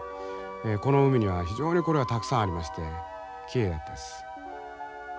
この海には非常にこれはたくさんありましてきれいだったです。